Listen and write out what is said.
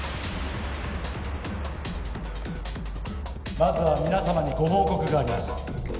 まずは皆様にご報告があります